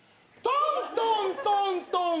「トントントントン